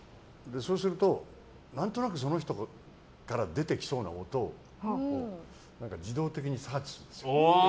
そうすると、何となくその人から出てきそうな音を自動的にサーチする。